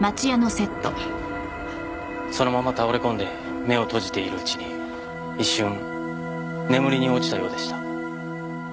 そのまま倒れ込んで目を閉じているうちに一瞬眠りに落ちたようでした。